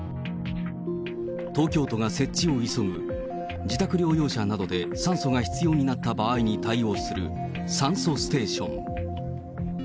東京都が設置を急ぐ自宅療養者などで酸素が必要になった場合に対応する酸素ステーション。